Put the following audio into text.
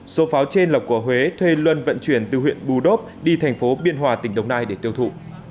số pháo trên là của huế thuê luân vận chuyển từ huyện bù đốp đi thành phố biên hòa tỉnh đồng nai để tiêu thụ